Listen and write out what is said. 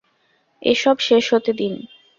এসব শেষ হতে দিন।